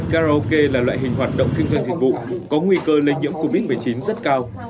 karaoke là loại hình hoạt động kinh doanh dịch vụ có nguy cơ lây nhiễm covid một mươi chín rất cao